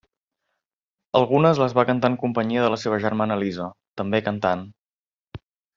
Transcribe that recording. Algunes les va cantar en companyia de la seva germana Elisa, també cantant.